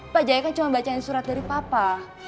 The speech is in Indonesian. pak jaya kan cuma bacain surat dari papa